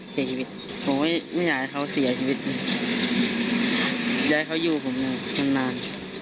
เสียชีวิตผมก็ไม่อยากให้เขาเสียชีวิตอยากให้เขาอยู่ผมนานนาน